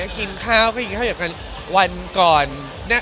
กินข้าวก็กินข้าวกับกันวันก่อน